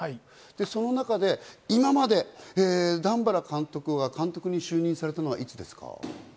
その中で段原監督は監督に就任されたのはいつですか？